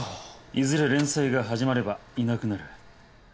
いずれ連載が始まればいなくなる。